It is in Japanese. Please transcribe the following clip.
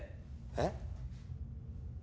えっ？